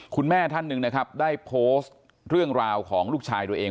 คุณแม่ท่านหนึ่งนะครับได้โพสต์เรื่องราวของลูกชายตัวเอง